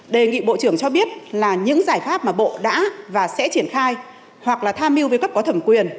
đề nghị bộ trưởng cho biết là những giải pháp mà bộ đã và sẽ triển khai hoặc là tham mưu với cấp có thẩm quyền